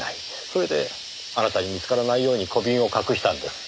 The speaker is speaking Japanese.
それであなたに見つからないように小瓶を隠したんです。